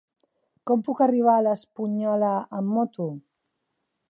Com puc arribar a l'Espunyola amb moto?